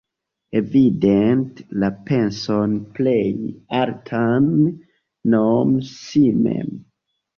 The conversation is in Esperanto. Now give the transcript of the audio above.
Evidente la penson plej altan, nome si mem.